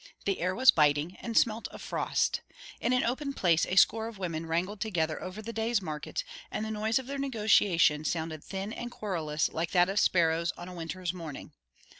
The air was biting, and smelt of frost. In an open place a score of women wrangled together over the day's market; and the noise of their negotiation sounded thin and querulous like that of sparrows on a winter's morning.